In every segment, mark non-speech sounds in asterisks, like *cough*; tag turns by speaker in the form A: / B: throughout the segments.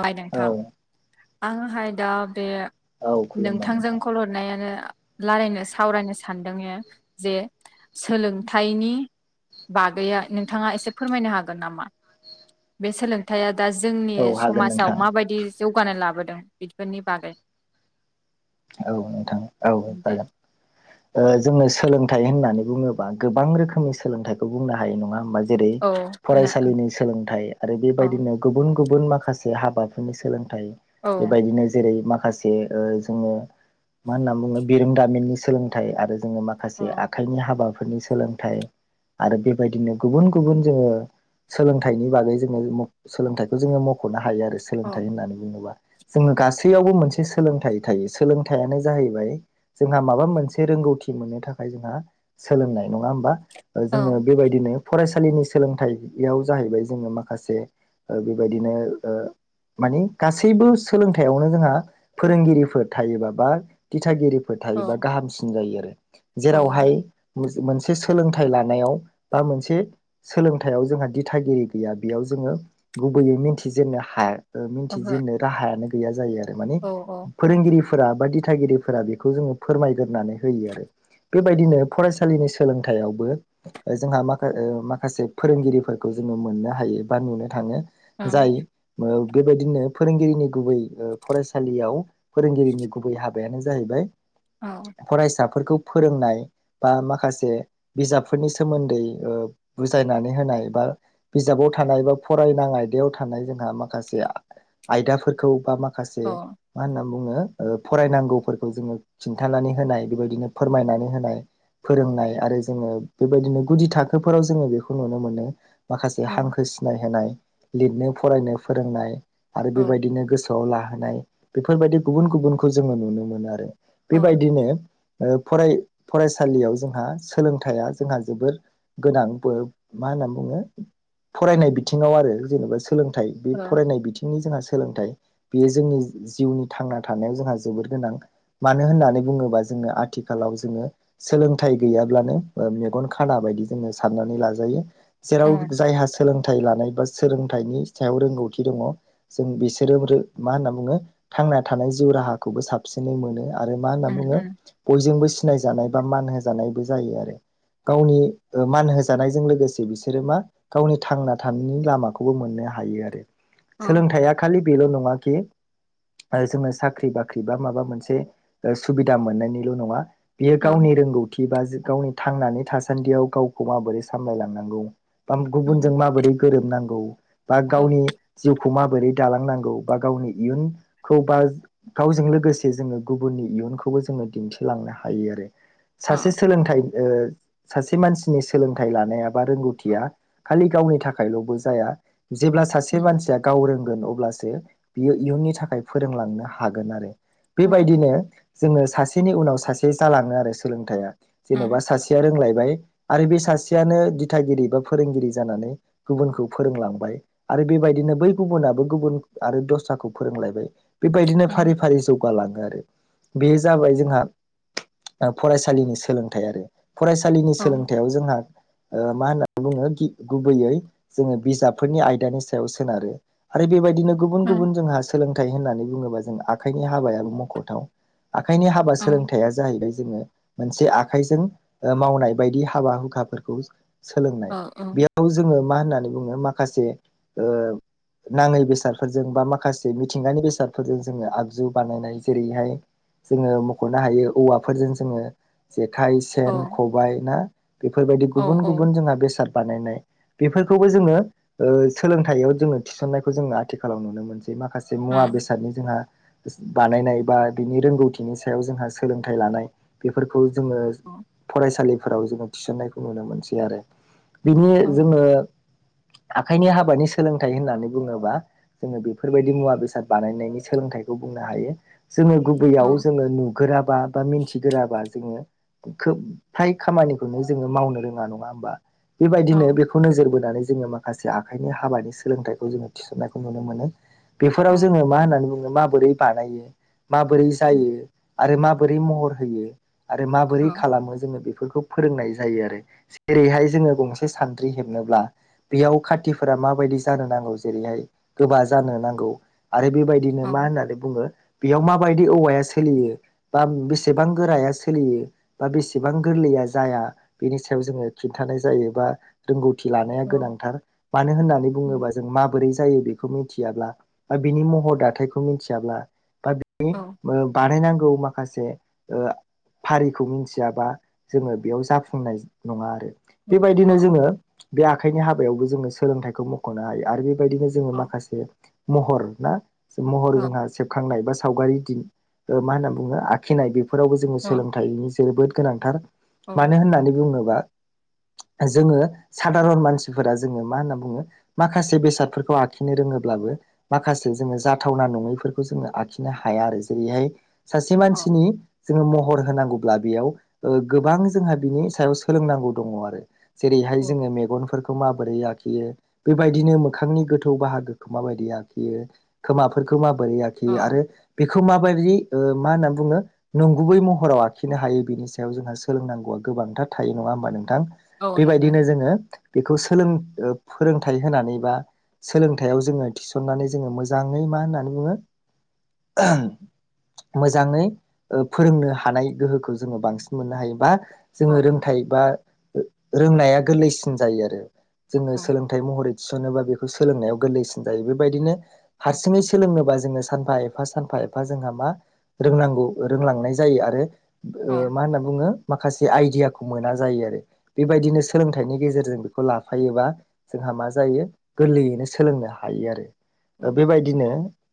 A: ओइ
B: औ
A: नोंथां आङोहाय दा बे
B: औ खुलुमबाय
A: नोंथांजों
B: नोंथां
A: कल हरनायानो रालायनो सावरायनो सानदों ए जे सोलोंथाइनि बागैया नोंथाङा एसे फोरमायनो हागोन नामा? बे सोलोंथाइया दा जोंनि
B: औ हागोन
A: समाजाव
B: नोंथां
A: माबायदि जौगानाय लाबोदों बिदिफोरनि बागै
B: औ नोंथां
A: दे
B: औ जोंनो सोलों थाय होननानै बुङोबा गोबां रोखोमनि सोलोंथाइखौ बुंनो हायो। नङा होमबा जेरै
A: औ होना
B: फरायसालिनि सोलोंथाइ आरो
A: औ
B: बेबायदिनो गुबुन-गुबुन गुबुन माखासे हाबाफोरनि सोलोंथाइ
A: औ
B: बेबायदिनो जेरै माखासे ओ जोङो मा होनना बुङो बिरोंदामिननि सोलोंथाइ आरो जोङो
A: औ
B: माखासे आखाइनि हाबा फोरनि सोलोंथाइ आरो बेबायदिनो गुबुन-गुबुन जोङो सोलोंथाइनि बागै जोङो म' सोलोंथाइखौ जोङो मख'नो हायो। हायो आरो
A: औ
B: सोलोंथाय होननानै बुङोबा जोङो गासैयावबो मोनसे सोलोंथाय थायो। सोलों थाइयानो जाहैबाय जोंहा माबा मोनसे रोंगौथि मोननो थाखाय जोंहा सोलोंनाय नङा होमबा? ओ
A: औ
B: जोंनो बेबायदिनो फरायसालिनि सोलोंथाइ याव जाहैबाय जोङो माखासे बेबायदिनो ओ मानि गासैबो सोलोंथाइयावनो जोंहा फोरोंगिरिफोर थायो बा बा दिथागिरिफोर
A: औ
B: थायोबा गाहामसिन जायो आरो
A: औ
B: जेरावहाय
A: ओहो
B: मोन मोनसे सोलोंथाइ लानायाव बा मोनसे सोलोंथाइयाव जोंहा दिथागिरि गैया। बेयाव जों जोङो गुबैयै मिथिजेननो हाया ओ मोनथिजेननो राहायानो गैया जायो आरो माने
A: औ
B: फोरोंगिरि फोरा बा दिथागिरिफोरा बेखौ जोङो फोरमायग्रोनानै होयो आरो। बेबायदिनो फरायसालिनि सोलोंथायाइयावबो जोंहा माखा माखासे फोरोंगिरिफोरखौ जोङो मोननो हायो बा नुनो थाङो। जाय बेबायदिनो फोरोंगिरिनि गुबै ओ फरायसालियाव फोरोंगिरिनि गुबै हाबायानो जाहैबाय
A: औ ओं
B: फरायसा फोरखौ फोरोंनाय बा माखासे बिजाबफोरनि सोमोन्दै ओ बुजायनानै होनाय नाय बा बिजाबाव थानाय बा फरायनाां आयदायाव थानाय जोंहा माखासे आयदाफोरखौ बा
A: औ
B: माखासे मा होनना बुङो? ओ फरायनांगौफोरखौ जोङो खिन्थानानै होनाय बेबायदिनो फोरमायनानै होनाय फोरोंनाय आरो जोङो बेबायदिनो गुदि थाखोफोराव जोङो बेखौ नुनो मोनो। माखासे
A: उम
B: हांखो सिनाय होनाय लिरनो फरायनो फोरोंनाय आरो बेबायदिनो गोसो आव लाहोनाय बेफोरबायदि गुबुन गुबुनखौ जोङो नुनो मोनो आरो बेबायदिनो ओ फराय फरायसालियाव जोंहा सोलोंथाइया जोंहा जोबोर गोनांबो मा होनना बुङो फरायनाय बिथिङाव आरो जेनेबा सोलोंथाइ बे
A: औ
B: फरायनाय बिथिंनि जोंहा सोलोंथाइ बेयो जोंनि जिउनि थांना थानायाव जोंहा जोबोर गोनां मानो होननानै बुङोबा जोंङो आथिखालाव जोङो सोलोंथाइ गैया ब्लानो ओ मेगन खाना बायदि जोङो‌ साननानै लाजायो जेराव
A: औ
B: जायहा सोंलो थाइ लानाय बा सोलोंथाइनि सायाव रोंगौथि दङ जों बिसोरो मा होनना बुङो थांना थानाय जिउ राहाखौबो साबसिनै मोनो आरो मा होनना
A: उम
B: बुङो
A: उम
B: बयजोंबो सिनायजानाय बा मान होजानायबो जायो आरो। गावनि ओ मान होजानायजों लोगोसे बिसोरो मा गावनि थांना थानायनि लामाखौबो मोननो हायो आरो
A: उम
B: सोलोंथाइया खालि बेल' नङा कि जोङो साख्रि बाख्रि बा माबा मोनसे सुबिदा मोननायनिल' नङा। बियो
A: औ
B: गावनि रोंगौथि बा जि गावनि थांनानै थासान्दियाव गावखौ माबोरै सामलायलांनांगौ बा
A: उम
B: गुबुनजों माबोरै गोरोबनांगौ बा
A: औ
B: गावनि जिउ खौ माबोरै दालांनांगौ बा गावनि इयुन खौ बा गावजों लोगोसे जोङो गुबुननि इयुनखौबो जोङो दिन्थिलांनो हायो आरो।
A: अ
B: सासे सोलोंथाइ ओ सासे मानसिनि सोलोंथाइ लानाया बा रोंगौथिया खालि गावनि थाखायल'बो जाया। जेब्ला
A: औ
B: सासे मानसिया गाव रोंगोन अब्लासो बियो इयुननि थाखाय फोरोंलांनो हागोन आरो। बेबायदिनो जोङो सासेनि उनाव सासे जालाङो आरो सोलोंथाइया। जेन'बा
A: नंगौ
B: सासेया रोंलाय बाय आरो बे सासेयनो दिथागिरि बा फोरोंगिरि जानानै गुबुनखौ फोरोंलांबाय आ रो बेबायदिनो बै गुबुनाबो गुबुन आरो दस्राखौ फोरोंलायबाय बेबायदिनो फारि फारि जौगालाङो। आरो बेयो जाबाय जोंहा ओ फरायसालिनि सोलोंथाइ आरो। फरायसालिनि
A: औ
B: सोलोंथायाइयाव जोंहा ओ मा होनना बुङो गि गुबैयै जोङो बिजाबफोरनि आयदानि सायाव सोनारो आरो बेबायदि दिनो गुबुन गुबुन जोंहा सोलोंथाइ होन्नानै बुङोबा जों आखाइनि हाबाया मख'थाव। आखाइनि हाबा सोलोंथाइया जाहैबाय जोङो मोनसे आखाइजों मावनाय बायदि हाबा हुखाफोरखौ सोलोंनाय बेयाव जोङो मा होननानै बुङो माखासे ओ नाङै बेसादफोरजों बा माखासे मिथिंगानि बेसाद फोरजों जोङो आगजु बानायनाय जेरैहाय जोङो मख'नो हायो औवाफोरजों जोङो जेखाइ सेन खबाइ ना बेफोरबायदि गुबुन गुबुन जोंहा बेसाद बानायनाय बेफोरखौबो जोङो ओ सोलोंथाइयाव जोङो थिसननायखौ जोङो आथिखालाव नुनो मोनसै। माखासे मुवा बेसादनि जोंहा बानायनाय बा बिनि रोंगौथिनि सायाव जोंहा सोलोंथाइ लानाय बेफोरखौ जोङो फरायसालिफोराव जोङो थिसननायखौ नुनो मोनसै आरो बिनि जोङो आखाइनि हाबानि सोलोंथाइ होननानै बुङोबा जोङो बेफोरबायदि मुवा बेसाद बानायनायनि सोलोंथाइखौ बुंनो हायो जोङो गुबैयाव जोङो नुगोराबा बा मिथिगोराबा जोङो खोब फाय खामानिखौनो जोङो मावनो रोङा नङा होमबा बेबायदिनो बेखौ नोजोर बोनानै जोङो माखासे आखाइनि हाबानि सोलोंथायाइखौ जोङो थिसननायखौ नुनो मोनो बेफोराव जोङो मा होननानै बुङो माबोरै बानायो माबोरै जायो आरो माबोरै महर होयो आरो माबोरै खालामो जोङो बे बेफोरखौ फोरोंनाय जायो आरो जेरैहाय जोङो गंसे सान्द्रि हेबनोब्ला बेयाव खाथिफोरा माबायदि जानो नांगौ जेरैहाय गोबा जानो नांगौ आरो बेबायदिनो मा होननानै बुङो बेयाव माबायदि औवाया सोलियो बा बेसेबां गोराया सोलियो बा बेसेबां गोरलै या जाया बेनि सायाव जोङो खिन्थानाय जायो बा रोंगौथि लानाया गोनांथार मानो होननानै बुङोबा जों माबोरै जायो बेखौ मिथियाब्ला बा बिनि महर दाथायखौ मिथियाब्ला बा बिनि बानायनांग गौ माखासे ओ फारिखौ मिथियाबा जोङो बेयाव जाफुंनाय नङा आरो। बेबायदिनो जोङो बे आखाइनि हाबायावबो जोङो सोलोंथाइखौ मख'नो हायो आरो बे दिबो जों माखासे महर ना महर जोंहा सेबखांनाय सावगारि दिन मा होनना बुङो आखिनाय बेफोरावबो जोङो सोलोंथाइनि जोबोद गोनांथार। मानो होननानै बुङोबा जोङो सादारन मानसिफोरा जोङो मा होनना बुङो माखासे बेसादफोरखौ आखिनो रोङो ब्लाबो माखासे जोङो जाथावना नङैफोरखौ जोङो आखिनो हाया आरो जेरैहाय सासे मानसिनि जोङो महर होनांगौब्ला बेयाव ओ गोबां जोंहा बिनि सायाव सोलोंनांगौ दङ आरो। जेरैहाय जोङो मेगनफोर खौ माबोरै आखियो बेबायदिनो मोखांनि गोथौ बाहागोखौ माबायदि आखियो बेयो खोमाफोरखौ माबोरै आखियो आरो बे खोमा बायदियै ओ मा होननानै बुङो नंगुबै महराव आखिनो हायो बिनि सायाव जोंहा सोलोंनांगौआ गो गोबांथार थायो नङा होमबा नोंथां बेबायदिनो जोङो बेखौ सोलों फोरोंथाइ होनानै बा सोलोंथायाइयाव जोङो नानै जोङो मोजाङै मा होननानै बुङो मोजाङै फोरोंनो हानाय गोहोखौ जोङो बांसिन मोननो हायो बा जोङो रोंथाय बा रोंनाया गोरलैसिन जायो आरो। जोङो सोलोंथाइ महरै थिसनोबा बेखौ सोलोंनायाव गोरलैसिन जायो। बेबायदिनो हारसिंङै सोलोंनोबा जोङो सानफा एफा सानफा एफा जोंहा मा रोंनांगौ रोंलांनाय जायो आरो मा होनना बुङो माखासे आइदियाखौ मोना जायो आरो बेबायदिनो सोलोंथाइनि गेजेरजों बेखौ लाफायोबा जोंहा मा जायो गोरलैयैनो सोलोंनो हायो आरो।
A: औ
B: ओ बेबायदिनो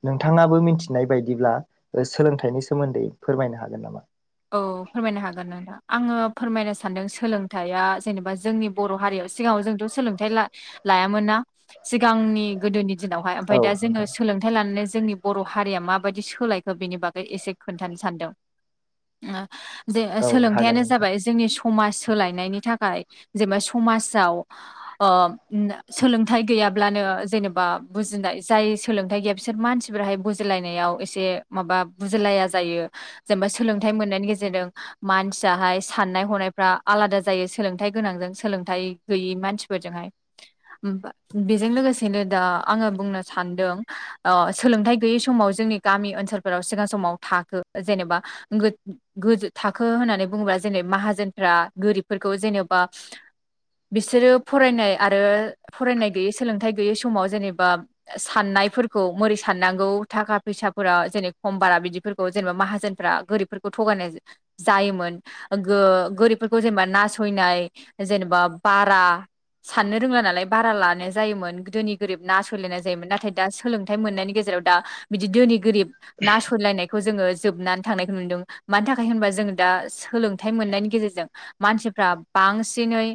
B: नोंथाङाबो मिथिनाय बायदिब्ला ओ सोलोंथाइनि सोमोन्दै फोरमायनो हागोन नामा?
A: औ फोरमायनो हागोन आदा आङो फोरमायनो सानदों सोलोंथाइया जेनेबा जोंनि बर' हारियाव सिगाङाव जोंथ' सोलोंथाइ ला-लायामोन ना सिगांनि गोदोनि दिनावहाय
B: औ
A: ओमफ्राय दा जोङो
B: नोंथां
A: सोलोंथाइ लानानै जोंनि बर' हारिया माबायदि सोलायखो बेनि बागै एसे खोन्थानो सानदों। ओ बे
B: औ हागोन
A: सोलोंथाइयानो
B: नोंथां
A: जाबाय जोंनि समाज सोलायनायनि थाखाय जेनेबा समाजाव ओ सोलोंथाइ गैया ब्लानो जेनेबा बुजिनाय जाय सोलोंथाइ गैया बिसोर मानसिफोराहाय बुजिलायनायाव एसे माब बा बुजिलाया जायो जेनेबा सोलोंथाइ मोननायनि गेजेरजों मानसियाहाय साननाय हनायफ्रा आलादा जायो सोलोंथाइ गोनांजों सोलों थाइ गैयै मानसिफोरजोंहाय बेजों लोगोसेनो दा आङो बुंनो सान दों सोलोंथाइ गैयै समाव जोंनि गामि ओनसोलफोराव सिगां समाव थाखो जेनेबा गो-गोजौ थाखो होननानै बुंङोब्ला जेनेबा माहाजोनफ्रा गोरिबफोरखौ जेन'बा बिसोरो फरायनाय आरो फरायनाय गैयै सोलोंथायाइ गैयै समाव जेनेबा साननाय नायफोरखौ मोरै साननांगौ थाखा फैसाफोरा जेने खम बारा बिदिफोरखौ जेनेबा माहाजोनफ्रा गोरिब फोरखौ थगायनाय जायोमोन गो-गोरिबफोरखौ जेनेबा नासयनाय जेनेबा बारा साननो रोंला नालाय बारा लानाय जायोमोन गोदोनि गोरिब नासयलायनाय जायोमोन नाथाय दा सोलोंथाइ मोननायनि गेजेर राव दा बिदि दोहोनि गोरिब नासयलायनायखौ जोंङो जोबनानै थांनायखौ नुदों। मानि थाखाय होनबा जोंङो दा सोलोंथाइ मोननायनि गेजेरजों मानसिफ्रा बांसिनै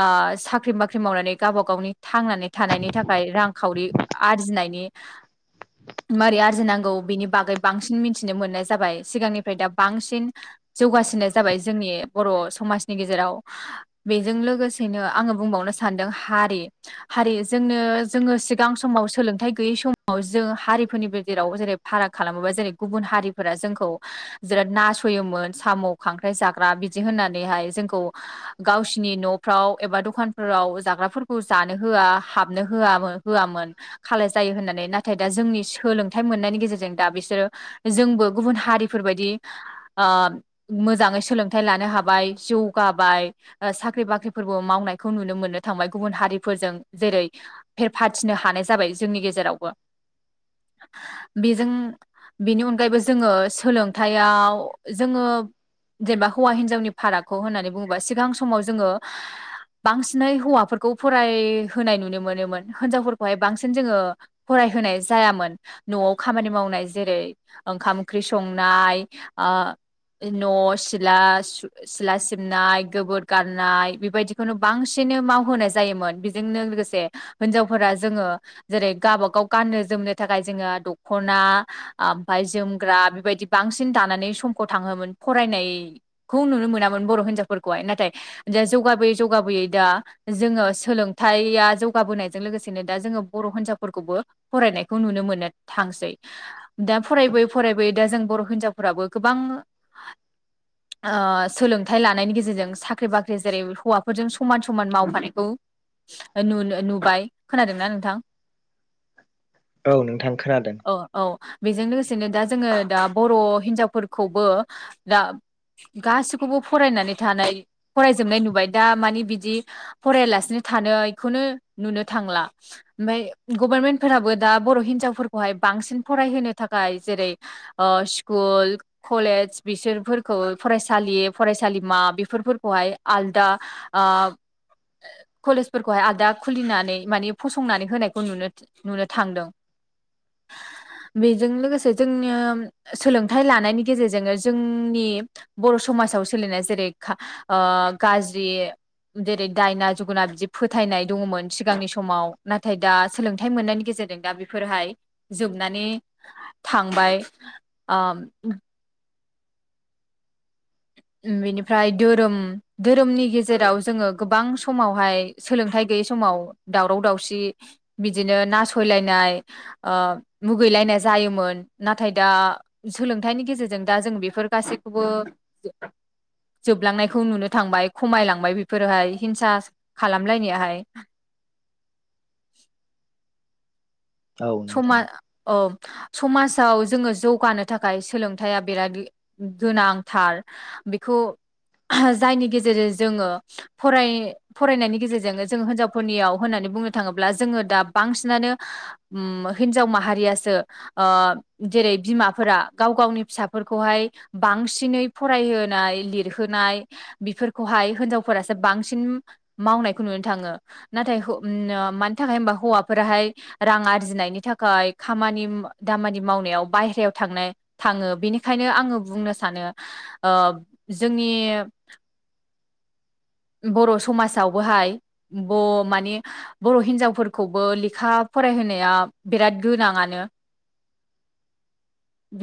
A: ओ साख्रि बाख्रि मावनानै गावबा गावनि थांनानै थानायनि थाखाय रांखावरि आरजिनायनि। मारै आरजिनांगौ बिनि बागै बांसिन मिथिनो मोननाय जाबाय सिगांनिफ्राय दा बांसिन जौगासिनाय जाबाय जोंनि बर' समाजनि गेजेराव बेजों लोगोसे बां थिनो आंङो बुंबावनो सानदों हारि हारि जोंनो जोंङो सिगां समाव सोलोंथाइ गोयै बे समाव जों हारिफोरनि गेजेराव जेरै फाराग खालामोबा जेरै गुबुन हारिफोरा जोंखौ बेराद नासययोमोन साम' खांख्राइ जाग्रा बिदि होननानैहाय जोंखौ गावसिनि न' फ्राव एबा दखानफोराव जाग्राफोरखौ जानो होआ हाबनो होआ होआमोन। खालाय यो होननानै नाथाय दा जोंनि सोलोंथाइ मोननायनि गेजेरजों दा बिसोरो जोंबो गुबुन हारिफोरबायायदि।
B: *inaudible*
A: ओ मोजांङै सोलोंथाइ लानो हाबाय जौगाबाय ओ साख्रि बाख्रिफोरबो मावनाय खौ नुनो मोननो थांबाय गुबुन हारिफोरजों जेरै फेरफाथिनो हानाय जाबाय जोंनि गेजेरावबो। बेजों बेनि अनगायैबो जोंङो सोलों थायाव जोंङो जेनेबा हौवा हिनजावनि फारागखौ होननानै बुंङोबा सिगां समाव जोंङो बांसिनै हौवाफोरखौ फरायहोनाय नुनो मोनोमोन होनजावफोरखौहाय बांसिन जोंङो फराय होनाय जायामोन न'आव खामानि मावनाय जेरै ओंखाम ओंख्रि सं नाय ओ न' सिला सिला सिबनाय गोबोर गारनाय बेबायदिखौनो बांसिन नो मावहोनाय जायोमोन बेजोंनो लोगोसे होनजावफोरा जोंङो जेरै गाबा गाव गाननो जोमनो नो थाखाय जोंहा दख'ना ओमफ्राय जोमग्रा बेबायदि बांसिन दानानै समखौ थांङोमोन फरायनायखौ नुनो मोनामोन बर' होनजावफोरखौहाय नाथाय दा जौगाबोयै जौगाबोयै दा जोंङो सोलोंथायाइया जौगाबोनायजों लोगोसेनो दा जोंङो बर' होनजावफोरखौबो फरायनायखौ नुनो मोननो थांसै दा फरायबोयै फरायबोयै दा जों बर' हिनजावफोराबो गोबां ओ सोलोंथाइ लानायनि गेजेरजों साख्रि बाख्रि जेरै हौवाफोरजों समान समान मावफानायखौ ओ नुनो नुबाय खोनादोंना नोंथां?
B: औ नोंथां खोनादों।
A: औ औ बेजों लोगोसेनो दा जोंङो दा बर' हिनजावफोरखौबो दा गासिखौबो फरायनानै थानाय फरायजोबनाय नुबाय दा माने बिदि फराययालासिनो थानायखौनो नुनो थांला ओमफ्राय गभारमेन्टफोराबो दा बर' हिनजावफोरखौहाय बांसिन फरायहोनो थाखाय जेरै ओ स्कुल कलेज बिसोरफोरखौ फरायसालि फरायसालिमा बेफोरफोरखौहाय हाय आलदा आ कलेजफोरखौहाय आलदा खुलिनानै मानि फसंनानै होनायखौ नुनो नुनोथांदों। बेजों लोगोसे जोंनि सोलोंथाइ लानायनि गेजेरजोंनो जोंनि बर' समाजाव सोलिनाय जेरै खा ओ। ओ गाज्रि जेरै दायना जुगुना बिदि फोथायनाय दंङमोन सिगांनि समाव नाथाय दा सोलोंथाइ मोननायनि गेजेर जों दा बेफोरहाय जोबनानै थांबाय। आम। उम बेनिफ्राय धोरोम धोरोमनि गेजेराव जोंङो गोबां समावहाय सोलोंथाइ गै बे समाव दावराव दावसि बिदिनो नासयलायनाय ओ मुगैलायनाय जायोमोन नाथाय दा सोलोंथाइनि गेजेरजों दा जों बेफोर गासैखौबो *unintelligible* जोबलांनायखौ नुनो थांबाय खमायलांबाय बेफोरहाय हिंसा खालामलायनायाहाय।
B: *inaudible* औ नोंथां।
A: समान औ। समाजाव जोङो जौगानो थाखाय सोलोंथाया बिराद गि गोनांथार बेखौ
B: *inaudible*
A: जायनि गेजेरजों जोङो फराय फरायनायनि गेजेरजों जों हिनजावफोरनियाव होननानै बुंनो थाङोब्ला जोङो दा बांसिनानो उम्म हिन्जाव माहारियासो ओ जेरै बिमाफोरा गाव गावनि फिसाफोरखौहाय बांसिनै फरायहोनाय लिरहोनाय बेफोरखौहाय हिनजावफोरासो बांसिन मावनायखौ नुनो थाङो नाथाय हौ मानि थाखाय होनबा हौवाफोराहाय रां आर जिनायनि थाखाय खामानि दामानि मावनायाव बाहेरायाव थांनाय थाङो बेनिखायनो आंङो बुंनो सानो ओ जोंनि बर' समाजावबोहाय ब माने बर' हिन्जावफोरखौबो लेखा फरायहोनाया बिराद गोनांआनो।
B: *unintelligible*